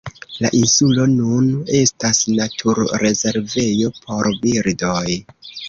La insulo nun estas naturrezervejo por birdoj.